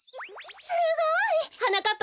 すごい！はなかっ